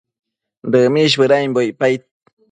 Dëmish bëdambo icpaid